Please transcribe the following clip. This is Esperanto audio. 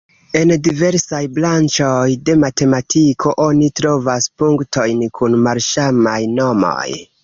En diversaj branĉoj de matematiko oni trovas punktojn kun malsamaj nomoj.